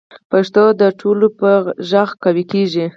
پښتو د ټولو په غږ قوي کېږي.